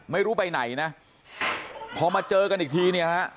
ไม่รู้ไปไหนนะพอมาเจอกันอีกทีเนี่ยฮะ